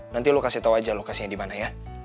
nanti lo kasih tahu aja lokasinya di mana ya